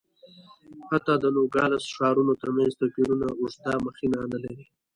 حتی د نوګالس ښارونو ترمنځ توپیرونه اوږده مخینه نه لري.